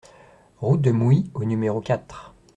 Route de Mouy au numéro quatre